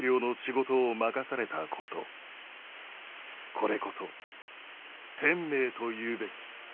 「これこそ天命と言うべき」。